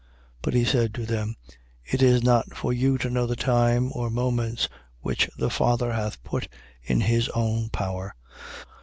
1:7. But he said to them: It is not for you to know the time or moments, which the Father hath put in his own power: 1:8.